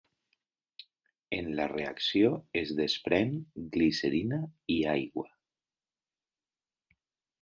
En la reacció es desprèn glicerina i aigua.